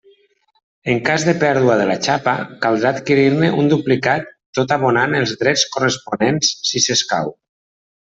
En cas de pèrdua de la xapa, caldrà adquirir-ne un duplicat tot abonant els drets corresponents si s'escau.